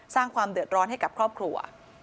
สร้างความเดือดร้อนให้กับครอบครัว